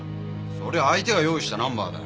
そりゃ相手が用意したナンバーだよ。